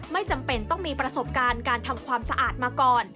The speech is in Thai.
ไม่จำเป็นต้องมีประสบการณ์การทำความสะอาดมาก่อน